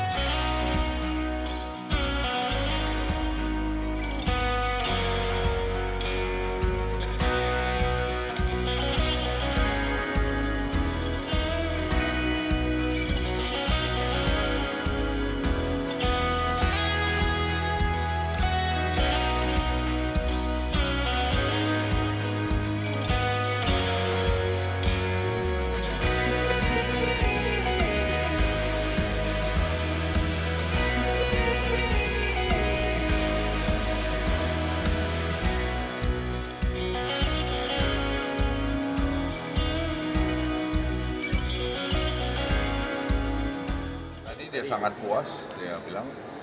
tadi dia sangat puas dia bilang